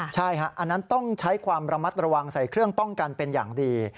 ใช่ฮะอันนั้นต้องใช้ความระมัดระวังใส่เครื่องป้องกันเป็นอย่างดี